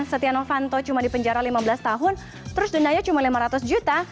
setia novanto cuma di penjara lima belas tahun terus dendanya cuma lima ratus juta